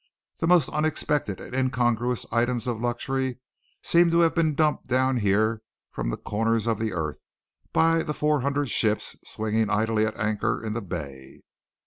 The most unexpected and incongruous items of luxury seemed to have been dumped down here from the corners of the earth, by the four hundred ships swinging idly at anchor in the bay.